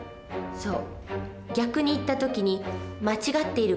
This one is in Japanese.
そう。